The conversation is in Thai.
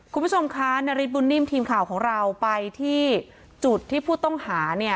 คุณผู้ชมคะนาริสบุญนิ่มทีมข่าวของเราไปที่จุดที่ผู้ต้องหาเนี่ย